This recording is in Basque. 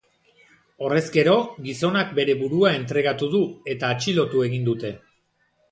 Horrezkero, gizonak bere burua entregatu du, eta atxilotu egin dute.